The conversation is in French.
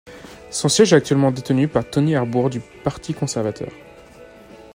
Son siège est actuellement détenu par Tony Arbour du Parti conservateur.